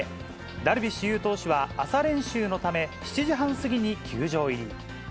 ダルビッシュ有投手は朝練習のため、７時半過ぎに球場入り。